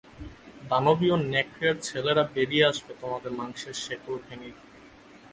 দানবীয় নেকড়ের ছেলেরা বেড়িয়ে আসবে তোমাদের মাংসের শেকল ভেঙে।